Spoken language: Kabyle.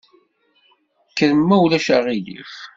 Kkrem ma ulac aɣilif.